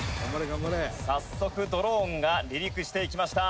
「早速、ドローンが離陸していきました」